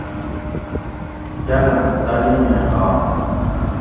کالاۤمہ تعلیمیں حال